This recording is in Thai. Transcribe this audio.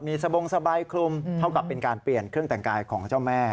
มีสบงสบายคลุมเท่ากับเป็นการเปลี่ยนเครื่องแต่งกายของเจ้าแม่